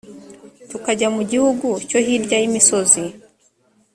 tukajya mu gihugu cyo hirya y’imisozi